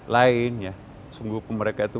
lain sungguh pun mereka itu